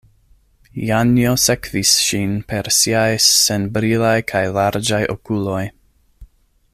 Janjo sekvis ŝin per siaj senbrilaj kaj larĝaj okuloj.